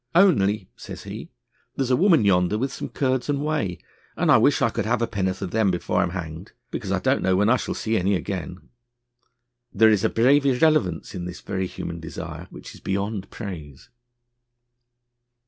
'Only,' says he, 'there's a woman yonder with some curds and whey, and I wish I could have a pennyworth of them before I am hanged, because I don't know when I shall see any again.' There is a brave irrelevance in this very human desire, which is beyond praise.